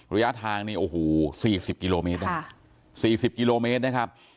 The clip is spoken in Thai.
ระยะทางเนี่ยโอ้โหสี่สิบกิโลเมตรสี่สิบกิโลเมตรนะครับ